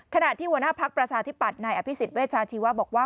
ขณะที่หัวหน้าพักประชาธิปัตย์นายอภิษฎเวชาชีวะบอกว่า